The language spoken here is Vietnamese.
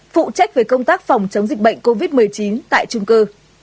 phụ trách về công tác phòng chống dịch bệnh covid một mươi chín tại trung cư